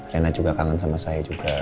rena juga kangen sama saya juga